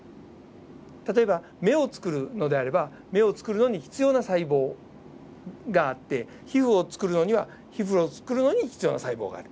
例えば目を作るのであれば目を作るのに必要な細胞があって皮膚を作るのには皮膚を作るのに必要な細胞がある。